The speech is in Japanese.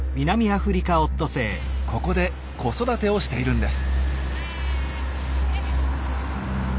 ここで子育てをしているんです。